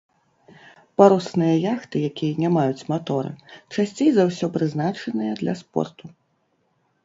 Парусныя яхты, якія не маюць матора, часцей за ўсё прызначаныя для спорту.